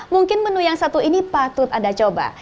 mungkin menu yang satu ini patut anda coba